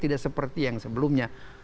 tidak seperti yang sebelumnya